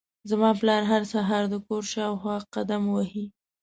زما پلار هر سهار د کور شاوخوا قدم وهي.